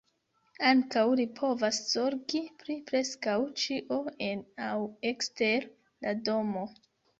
Ankaŭ li povas zorgi pri preskaŭ ĉio en aŭ ekster la domo.